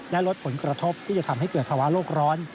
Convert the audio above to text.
และลดผลกระทบที่จะทำให้เกิดภาวะโลกร้อน